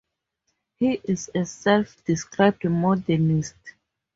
He is a self-described modernist.